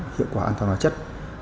hiệu quả an toàn hóa chất